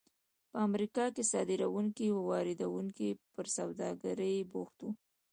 په امریکا کې صادروونکي او واردوونکي پر سوداګرۍ بوخت وو.